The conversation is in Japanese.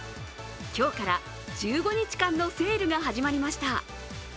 今日から１５日間のセールが始まりました。